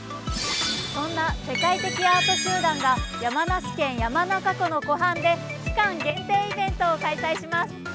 そんな世界的アート集団が山梨県・山中湖の湖畔で期間限定イベントを開催します。